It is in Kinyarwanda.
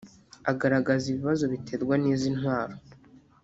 Agaragaza ibibazo biterwa n’izi ntwaro